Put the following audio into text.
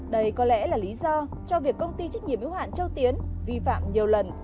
đây có lẽ là lý do cho việc công ty trách nhiệm yếu hạn châu tiến vi phạm nhiều lần